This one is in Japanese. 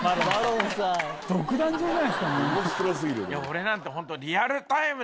俺なんてホント。